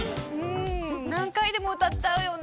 何回でも歌っちゃうよね。